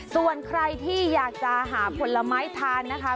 ส่วนใครที่อยากจะหาผลไม้ทานนะคะ